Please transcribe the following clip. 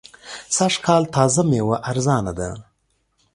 سږ کال تازه مېوه ارزانه ده.